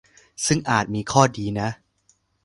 ซึ่งอาจมีข้อดีนะ